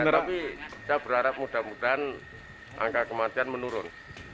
tapi saya berharap mudah mudahan angka kematian menurun